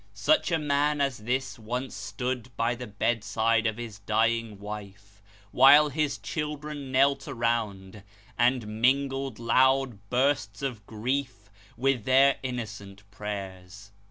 369 Such a man as this once stood by the bedside of his dying wife, while his children knelt around, and mingled low bursts of grief with their innocent prayers.